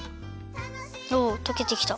おおとけてきた。